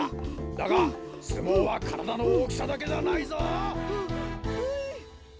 だがすもうはからだのおおきさだけじゃないぞ！ははい。